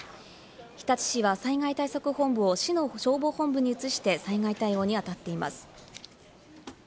日立市は災害対策本部を市の消防本部に移して、災害対応にあたっています。